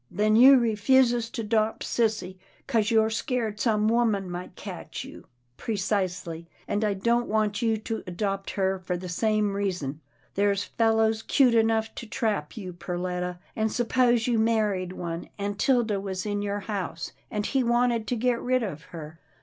" Then you refuses to 'dopt sissy, 'cause you're scared some woman might catch you? "" Precisely, and I don't want you to adopt her for the same reason. There's fellows 'cute enough to trap you, Perletta, and s'pose you married one, and 'Tilda was in your house, and he wanted to get rid of her.